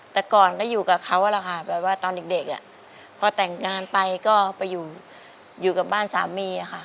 แต่ก่อนก็อยู่กับเขาแหละค่ะแบบว่าตอนเด็กพอแต่งงานไปก็ไปอยู่กับบ้านสามีค่ะ